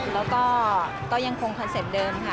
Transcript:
แล้วก็ยังคงคอนเซ็ปต์เดิมค่ะ